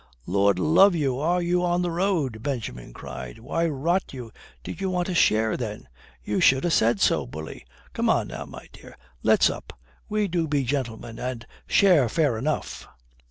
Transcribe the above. "Lord love you, are you on the road?" Benjamin cried. "Why, rot you, did you want a share then? You should ha' said so, bully. Come on now, my dear, let's up. We do be gentlemen and share fair enough."